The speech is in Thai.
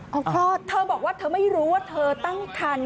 เพราะเธอบอกว่าเธอไม่รู้ว่าเธอตั้งครรภ์